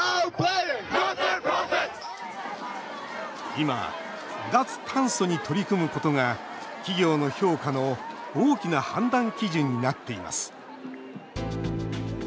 今、脱炭素に取り組むことが企業の評価の大きな判断基準になっています。